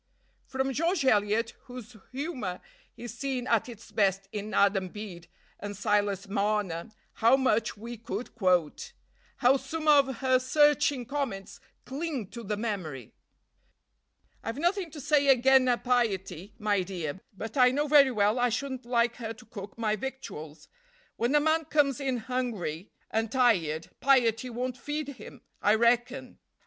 From George Eliot, whose humor is seen at its best in "Adam Bede" and "Silas Marner," how much we could quote! How some of her searching comments cling to the memory! "I've nothing to say again' her piety, my dear; but I know very well I shouldn't like her to cook my victuals. When a man comes in hungry and tired, piety won't feed him, I reckon.